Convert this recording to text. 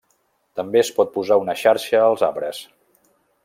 També es pot posar una xarxa als arbres.